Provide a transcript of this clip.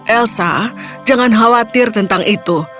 elsa jangan khawatir tentang itu